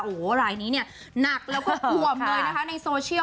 โหไลน์นี้เนี่ยหนักและก็กว่ำด้วยนะคะในโซเชียล